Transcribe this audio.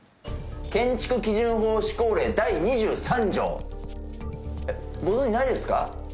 建築基準法施行令第２３条ご存じないですか？